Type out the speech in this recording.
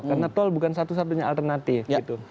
karena tol bukan satu satunya alternatif gitu